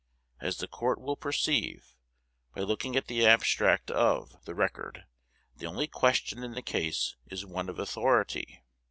As the Court will perceive, by looking at the abstract of, the record, the only question in the case is one of authority.